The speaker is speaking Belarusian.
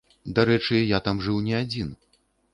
Дарэчы, я там жыў не адзін.